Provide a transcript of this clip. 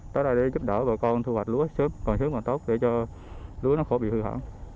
tới đây để giúp đỡ bà con thu hoạch lúa sớm còn hướng còn tốt để cho lúa nó bị hư hỏng